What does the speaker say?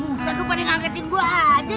udah dikagetin gue aja